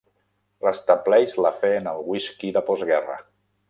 Restableix la fe en el whisky de postguerra.